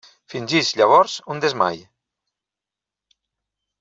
Fingeix llavors un desmai.